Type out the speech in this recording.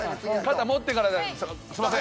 肩持ってからだすいません。